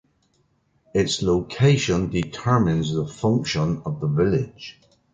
Its location determines the function of the village.